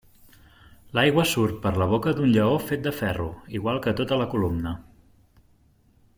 L'aigua surt per la boca d'un lleó fet de ferro igual que tota la columna.